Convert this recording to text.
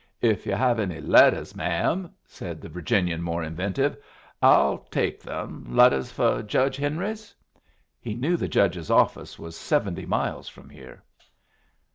"If you have any letters, ma'am," said the Virginian, more inventive, "I'll take them. Letters for Judge Henry's." He knew the judge's office was seventy miles from here.